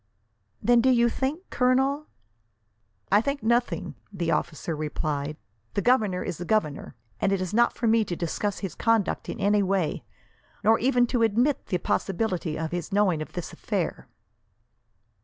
"Then do you think, Colonel? " "I think nothing," the officer replied. "The governor is the governor, and it is not for me to discuss his conduct in any way, nor even to admit the possibility of his knowing of this affair."